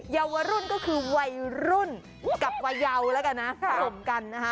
เยาวรุ่นก็คือวัยรุ่นกับวัยเยาว์แล้วกันนะค่ะ